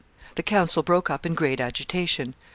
The council broke up in great agitation.